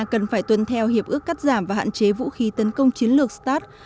cần phải tuân theo hiệp ước cắt giảm và hạn chế vũ khí tấn công chiến lược start